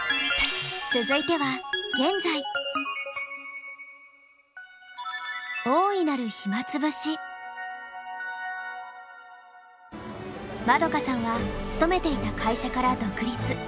続いては円さんは勤めていた会社から独立。